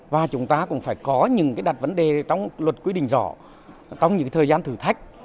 và chúng ta cũng phải có những đặt vấn đề trong luật quy định rõ trong những thời gian thử thách